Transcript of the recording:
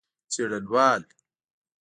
څېړنوال